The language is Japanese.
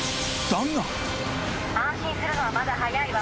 安心するのはまだ早いわ。